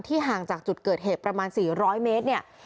ที่ห่างจากจุดเกิดเหตุประมาณสี่ร้อยเมตร